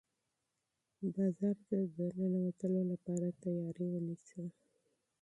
بازار ته د ننوتلو لپاره تیاری ونیسه.